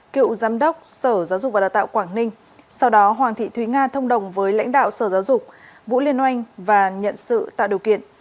cựu giám đốc sở giáo dục và đào tạo quảng ninh sau đó hoàng thị thúy nga thông đồng với lãnh đạo sở giáo dục vũ liên oanh và nhận sự tạo điều kiện